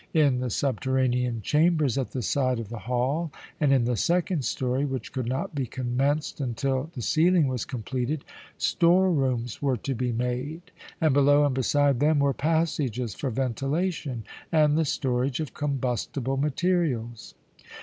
In the subterranean chambers at the side of the hall, and in the second story, which could not be commenced until the ceiling was completed, store rooms were to be made, and below and beside them were passages for ventilation and the storage of combustible materials.